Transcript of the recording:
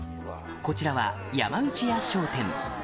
こちらは山内屋商店。